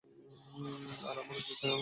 আর আমার উচিৎ নিজের কাজে মন দেয়া।